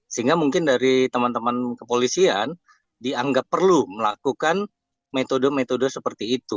sehingga mungkin dari teman teman kepolisian dianggap perlu melakukan metode metode seperti itu